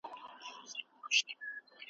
له خالپوڅو تر پیریه لږ خوږې ډیري ترخې دي ,